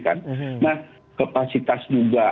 kan nah kapasitas juga